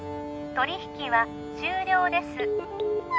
取引は終了です